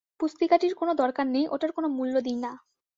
পুস্তিকাটির কোন দরকার নেই, ওটার কোন মূল্য দিই না।